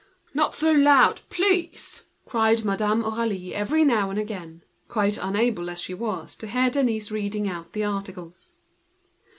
"Not so loud, please!" cried Madame Aurélie, now and again, quite unable to hear Denise reading out the articles.